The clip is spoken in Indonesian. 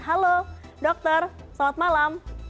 halo dokter selamat malam